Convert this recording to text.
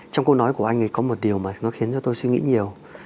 trong câu nói của anh ấy có một điều mà nó khiến cho tôi suy nghĩ nhiều